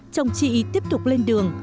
chồng chị tiếp tục lên đường